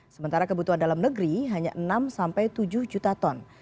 sementara kebutuhan dalam negeri hanya enam sampai tujuh juta ton